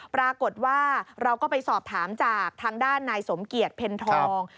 ปรากฏว่าเราก็ไปสอบถามจากทางด้านนายสมเกียจเพ็ญทอง